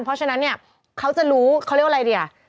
เพราะฉะนั้นเนี่ยเขาจะรู้เขาเรียกว่าอะไรดีอ่ะ